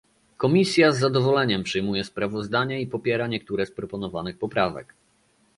Komisja z zadowoleniem przyjmuje sprawozdanie i popiera niektóre z proponowanych poprawek